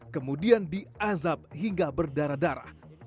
kemudian diazab hingga berdarah darah